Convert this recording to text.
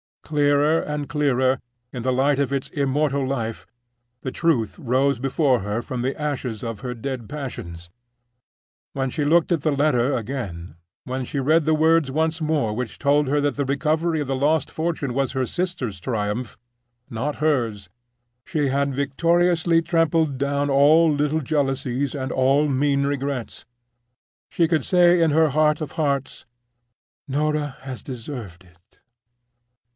Clearer and clearer, in the light of its own immortal life, the truth rose before her from the ashes of her dead passions, from the grave of her buried hopes. When she looked at the letter again—when she read the words once more which told her that the recovery of the lost fortune was her sister's triumph, not hers, she had victoriously trampled down all little jealousies and all mean regrets; she could say in her hearts of hearts, "Norah has deserved it!"